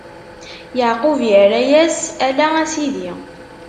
Yeɛqub irra-yas: Ala, a sidi!